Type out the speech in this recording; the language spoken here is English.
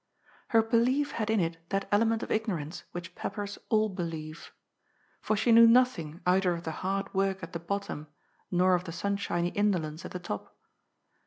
Her belief had in it that element of ignorance which peppers all belief. For she knew nothing either of the hard work at the bottom nor of the sunshiny indolence at the top.